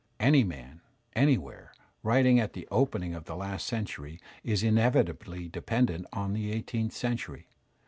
Any man, anywhere, writing at the opening of the last century is inevitably dependent on the eighteenth century.